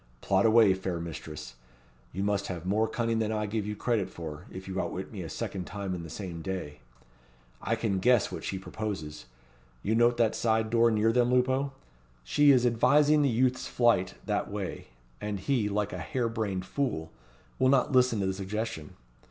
Plot away, fair mistress; you must have more cunning than I give you credit for, if you outwit me a second time in the same day. I can guess what she proposes. You note that side door near them, Lupo? She is advising the youth's flight that way; and he, like a hair brained fool, will not listen to the suggestion.